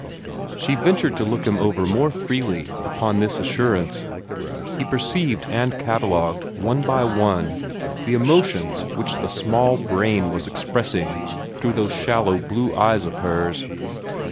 She ventured to look him over more freely, upon this assurance. He perceived and catalogued, one by one, the emotions which the small brain was expressing through those shallow blue eyes of hers.